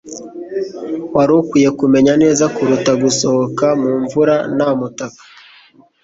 wari ukwiye kumenya neza kuruta gusohoka mu mvura nta mutaka